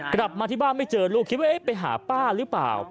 กลับมาที่บ้านไม่เจอลูกคิดว่าไปหาป้าหรือเปล่า